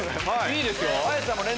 いいですよ。